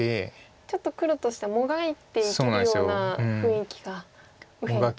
ちょっと黒としてはもがいて生きるような雰囲気が右辺あるんですね。